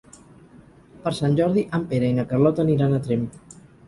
Per Sant Jordi en Pere i na Carlota aniran a Tremp.